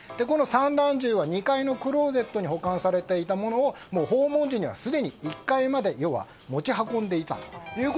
この散弾銃は２階のクローゼットに保管されていたものを訪問時には１階まで持ち運ばれていたと。